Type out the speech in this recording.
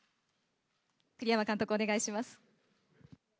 栗山監督、お願いします。